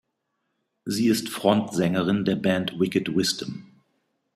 Sie ist Frontsängerin der Band Wicked Wisdom.